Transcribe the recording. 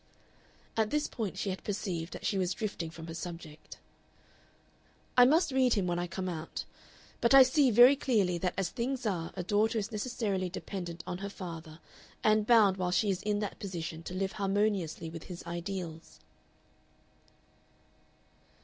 At this point she had perceived that she was drifting from her subject. "I must read him when I come out. But I see very clearly that as things are a daughter is necessarily dependent on her father and bound while she is in that position to live harmoniously with his ideals."